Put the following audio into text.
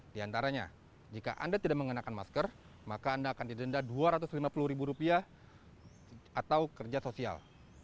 di antaranya jika anda tidak mengenakan masker maka anda akan didenda rp dua ratus lima puluh ribu rupiah atau kerja sosial